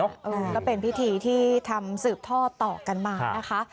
ก็เป็นพิธีที่ทำสืบท่อต่อกันมานะคะ